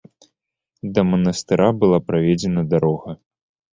Да манастыра была праведзена дарога.